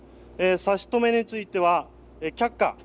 差し止めについては却下。